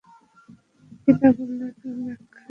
কিতাবুল্লাহর ব্যাখ্যায় সুদক্ষ।